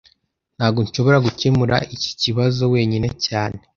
Ntago nshobora gukemura iki kibazo wenyine cyane